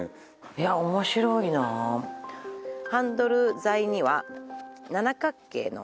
いや面白いな「ハンドル材には７角形の」